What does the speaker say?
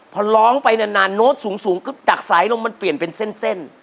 พอร้องไปนานโน้ตสูงจากสายลมมันเปลี่ยนเป็นเส้น